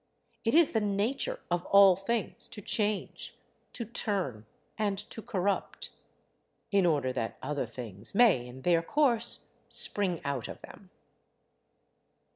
It is the nature of all things to change, to turn, and to corrupt; in order that other things may, in their course, spring out of them.